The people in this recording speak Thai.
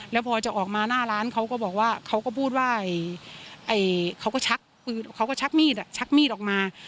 แล้วพอจะออกมาหน้าร้านเขาก็บอกว่าเขาก็พูดว่าเขาก็ชักมีดออกมา